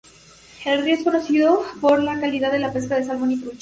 El río es conocido por la calidad de la pesca de salmón y trucha.